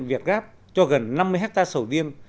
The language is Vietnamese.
việt gáp cho gần năm mươi hectare sầu viên